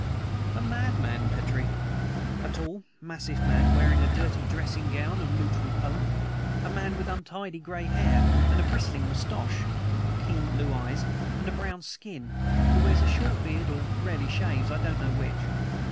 "A madman, Petrie. A tall, massive man, wearing a dirty dressing gown of neutral color; a man with untidy gray hair and a bristling mustache, keen blue eyes, and a brown skin; who wears a short beard or rarely shaves I don't know which.